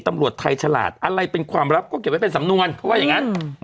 ตำรวจไทยฉลาดอะไรเป็นความลับก็เก็บไว้เป็นสำนวนเพราะว่าอย่างงั้น